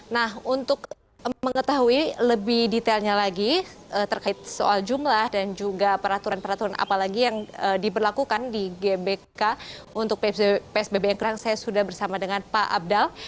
nah untuk mengetahui lebih detailnya lagi terkait soal jumlah dan juga peraturan peraturan apalagi yang diberlakukan di gbk untuk psbb yang kerang saya sudah bersama dengan pak abdal